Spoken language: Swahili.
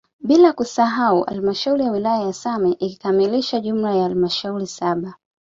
Bila kusahau halmashauri ya wilaya ya Same ikikamilisha jumla ya halmashauri saba